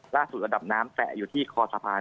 ล่าสุดระดับน้ำแสะอยู่ที่คอสะพาน